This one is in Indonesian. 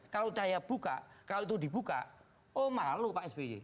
kalau saya buka kalau itu dibuka oh malu pak sby